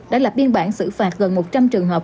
đã lập biên bản xử phạt gần một trăm linh trường hợp